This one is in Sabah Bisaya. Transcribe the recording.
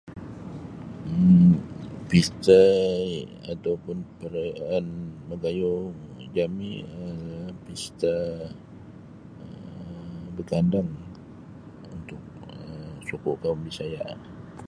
um Pesta yang ataupun perayaan magayu jami um pesta um bagandang untuk um suku kaum Bisaya lah.